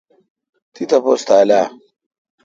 تی تاپوس تھال اؘ۔